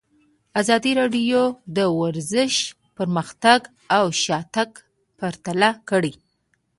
ازادي راډیو د ورزش پرمختګ او شاتګ پرتله کړی.